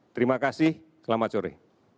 terima kasih selamat sore